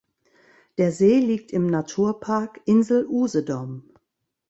Der See liegt im Naturpark Insel Usedom.